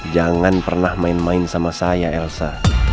jangan pernah main main sama saya elsa